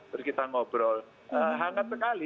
terus kita ngobrol